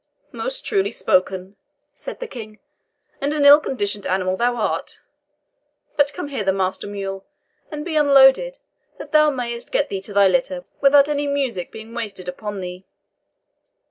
"Most truly spoken," said the King; "and an ill conditioned animal thou art. But come hither, master mule, and be unloaded, that thou mayest get thee to thy litter, without any music being wasted on thee.